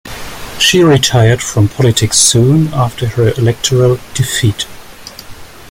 She retired from politics soon after her electoral defeat.